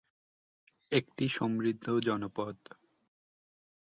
একটি সমৃদ্ধ জনপদ।